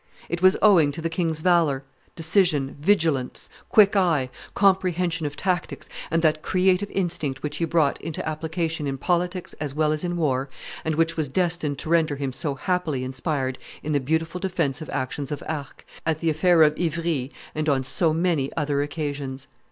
It was owing to the king's valor, decision, vigilance, quick eye, comprehension of tactics, and that creative instinct which he brought into application in politics as well as in war, and which was destined to render him so happily inspired in the beautiful defensive actions of Arques, at the affair of Ivry, and on so many other occasions."